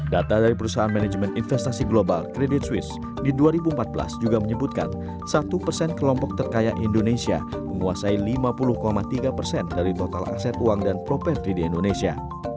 data dari perusahaan manajemen investasi global credit swiss di dua ribu empat belas juga menyebutkan satu persen kelompok terkaya indonesia menguasai lima puluh tiga persen dari total aset uang dan properti di indonesia